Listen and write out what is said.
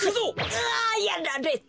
うわやられた。